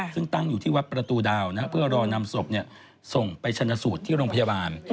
ซึ่งตั้งอยู่ที่วัดประตูดาวเพื่อรอนำศพส่งไปชนะสูตรที่โรงพยาบาล